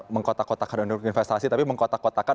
mengkotak kotakan untuk investasi tapi mengkotak kotakan